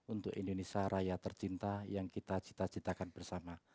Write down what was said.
untuk indonesia raya tercinta yang kita cita citakan bersama